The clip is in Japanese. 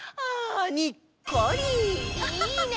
いいね！